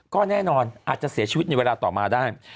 ก็แน่นอนอาจจะเสียชีวิตในเวลาต่อมาได้